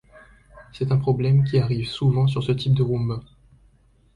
C'est un problème qui arrive souvent sur ce type de Roomba.